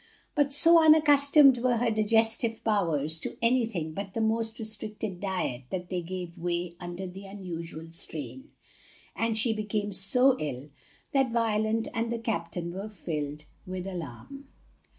But so unaccustomed were her digestive powers to anything but the most restricted diet that they gave way under the unusual strain, and she became so ill that Violet and the captain were filled with alarm.